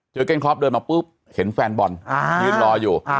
เก้นคลอปเดินมาปุ๊บเห็นแฟนบอลยืนรออยู่